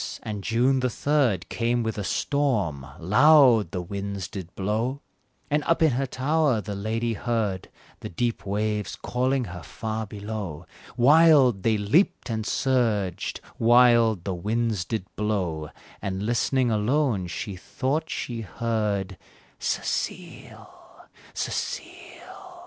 and June the third Came with a storm loud the winds did blow And up in her tower the lady heard The deep waves calling her far below; Wild they leaped and surged, wild the winds did blow, And, listening alone, she thought she heard "Cecile! Cecile!"